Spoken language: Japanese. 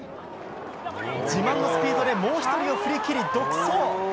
自慢のスピードでもう１人を振り切り、独走。